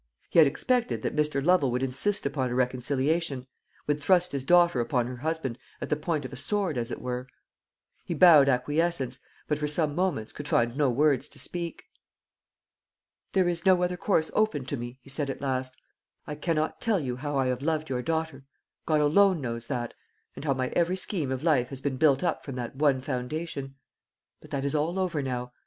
He had expected that Mr. Lovel would insist upon a reconciliation, would thrust his daughter upon her husband at the point of the sword, as it were. He bowed acquiescence, but for some moments could find no words to speak. "There is no other course open to me," he said at last. "I cannot tell you how I have loved your daughter God alone knows that and how my every scheme of life has been built up from that one foundation. But that is all over now.